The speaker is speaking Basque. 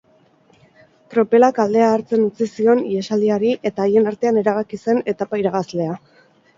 Tropelak aldea hartzen utzi zion ihesaldiari eta haien artean erabaki zen etapa irabazlea.